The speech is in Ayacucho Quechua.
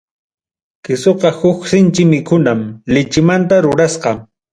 Quesoqa huk sinchi mikunam, lichimanta rurasqa.